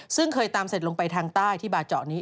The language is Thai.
ซึ่งเคยตามเสร็จลงไปทางใต้ที่บาเจาะนี้